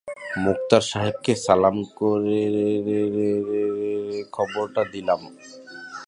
মোক্তার সাহেবকে সালাম করে খবরটা দিলাম।